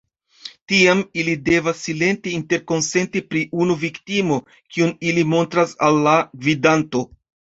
Tiam, ili devas silente interkonsenti pri unu viktimo, kiun ili montras al la gvidanto.